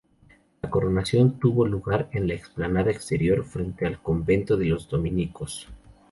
La coronación tuvo lugar en la explanada exterior frente al Convento de los Dominicos.